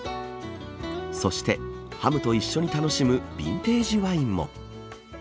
そして、ハムと一緒に楽しむビンテージワインも。